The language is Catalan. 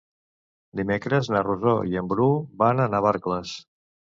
Dimecres na Rosó i en Bru van a Navarcles.